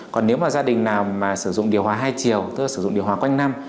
còn nếu mà gia đình nào mà sử dụng điều hòa hai chiều tức là sử dụng điều hòa quanh năm